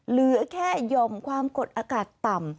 เหลือแค่ยอมความกดอากาศต่ำ